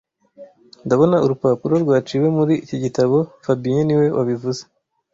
Ndabona urupapuro rwaciwe muri iki gitabo fabien niwe wabivuze